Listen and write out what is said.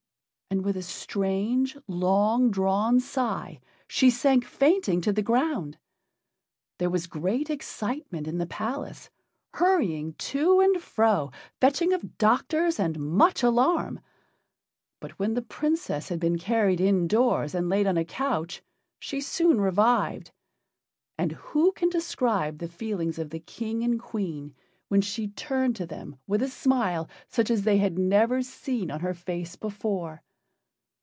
And, with a strange, long drawn sigh she sank fainting to the ground. There was great excitement in the palace, hurrying to and fro, fetching of doctors, and much alarm. But when the Princess had been carried indoors and laid on a couch, she soon revived. And who can describe the feelings of the King and Queen when she turned to them with a smile such as they had never seen on her face before.